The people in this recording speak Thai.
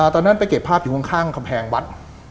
ตอนนั้นไปเก็บภาพอยู่ข้างกำแพงวัด